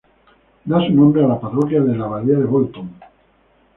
Da su nombre a la parroquia de la Abadía de Bolton.